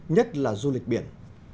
nhất là du lịch biển